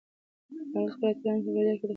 هغه د خپلو اتلانو په بریا کې د خدای لورینه لیده.